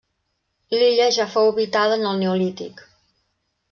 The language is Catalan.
L'illa ja fou habitada en el neolític.